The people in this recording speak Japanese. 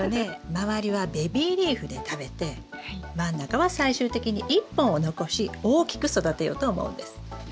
周りはベビーリーフで食べて真ん中は最終的に１本を残し大きく育てようと思うんです。